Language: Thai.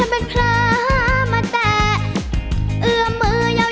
น้องน้องกลัวมือเกา